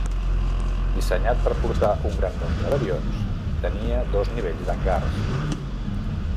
Dissenyat per portar un gran nombre d'avions, tenia dos nivells d'hangars.